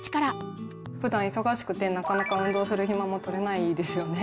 ふだん忙しくてなかなか運動する暇もとれないですよね。